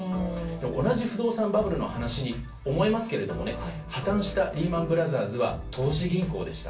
同じ不動産バブルの話に思えますけれども破綻したリーマン・ブラザーズは投資銀行でした。